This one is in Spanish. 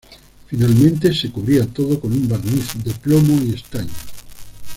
Finalmente se cubría todo con un barniz de plomo y estaño.